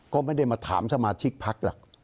ก็ไม่ได้มาถามสมาชิกพักหรอก